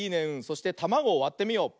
そしてたまごをわってみよう。